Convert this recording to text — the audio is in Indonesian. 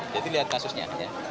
jadi lihat kasusnya